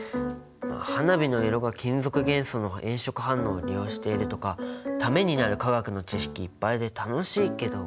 花火の色が金属元素の炎色反応を利用しているとかためになる化学の知識いっぱいで楽しいけどね。